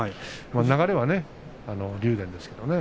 流れは竜電ですね。